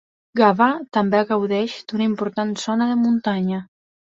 Gavà també gaudeix d'una important zona de muntanya.